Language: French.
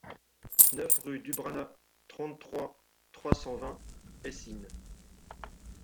neuf rue Dubrana, trente-trois, trois cent vingt, Eysines